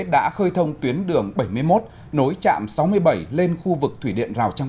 đã khơi thông tuyến đường bảy mươi một nối chạm sáu mươi bảy lên khu vực thủy điện rào trăng